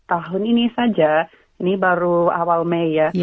tahun ini saja ini baru awal mei ya